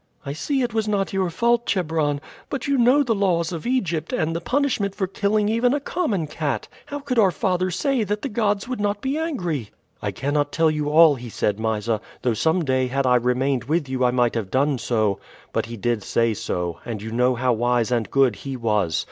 "I see it was not your fault, Chebron. But you know the laws of Egypt, and the punishment for killing even a common cat. How could our father say that the gods would not be angry?" "I cannot tell you all he said, Mysa; though some day had I remained with you I might have done so. But he did say so, and you know how wise and good he was.